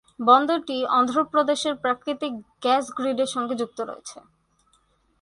বন্দরটি অন্ধ্রপ্রদেশের প্রাকৃতিক গ্যাস গ্রিডের সঙ্গে যুক্ত রয়েছে।